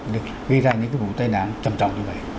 được gây ra những cái vụ tai nạn trầm trầm như vậy